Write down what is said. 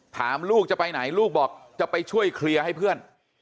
ถามลูกจะไปไหนลูกบอกจะไปช่วยเคลียร์ให้เพื่อน